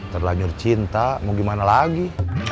terlanjur cinta mau gimana lagi